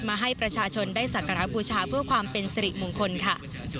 มาให้ประชาชนได้สักการะบูชาเพื่อความเป็นสิริมงคลค่ะ